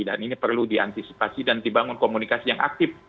dan ini perlu diantisipasi dan dibangun komunikasi yang aktif